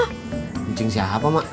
putungcing siapa mak